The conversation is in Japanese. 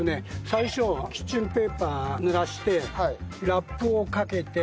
最初はキッチンペーパーを濡らしてラップをかけて。